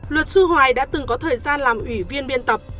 luật sư hoài đã từng có thời gian làm ủy viên biên tập